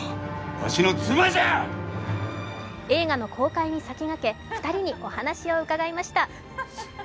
映画の公開に先駆け２人にお話を伺いました。